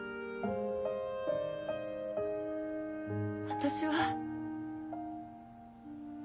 私は。